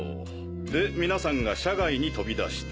で皆さんが車外に飛び出した。